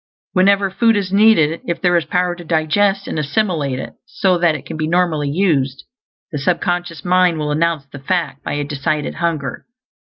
Whenever food is needed, if there is power to digest and assimilate it, so that it can be normally used, the sub conscious mind will announce the fact by a decided hunger.